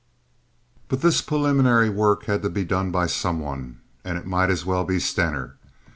But this preliminary work had to be done by some one, and it might as well be Stener.